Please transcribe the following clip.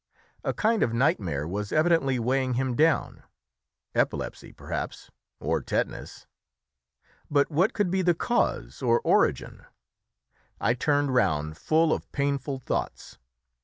A kind of nightmare was evidently weighing him down epilepsy, perhaps, or tetanus. But what could be the cause or origin? I turned round full of painful thoughts.